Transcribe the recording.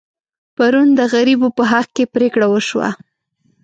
پرون د غریبو په حق کې پرېکړه وشوه.